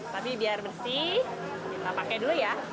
tapi biar bersih kita pakai dulu ya